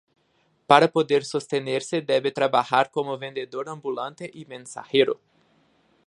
Para poder sostenerse debe trabajar como vendedor ambulante y mensajero.